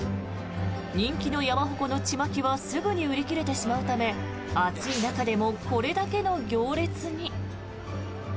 人気の山鉾のちまきはすぐに売り切れてしまうため暑い中でも、これだけの行列に。